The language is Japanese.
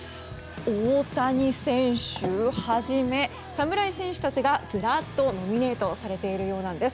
大谷選手をはじめ、侍選手たちがずらっと、ノミネートされているようなんです。